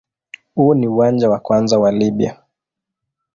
Huu ni uwanja wa kwanza wa Libya.